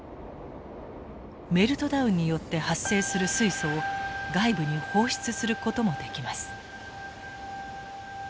メルトダウンによって発生する水素を外部に放出することもできます。